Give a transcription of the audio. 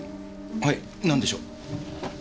はいなんでしょう？